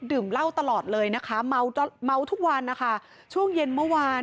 ดื่มเหล้าตลอดเลยนะคะเมาเมาทุกวันนะคะช่วงเย็นเมื่อวาน